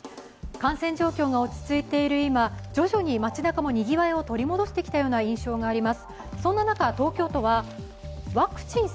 感染状況が落ち着いている今徐々に街なかもにぎわいを取り戻してきているような印象があります。